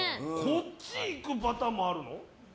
こっちいくパターンもあるの？